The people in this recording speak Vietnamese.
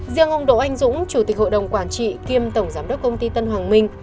riêng ông đỗ anh dũng chủ tịch hội đồng quản trị kiêm tổng giám đốc công ty tân hoàng minh